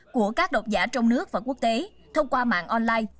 của các độc giả trong nước và quốc tế thông qua mạng online